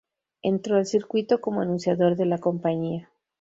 Entró al circuito como anunciador de la compañía.